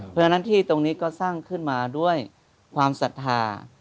เพราะฉะนั้นที่ตรงนี้ก็สร้างขึ้นมาด้วยความศรัทธา